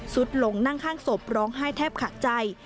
สุดลงนั่งข้างศพร้องไห้แทบขาดใจ